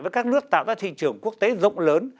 với các nước tạo ra thị trường quốc tế rộng lớn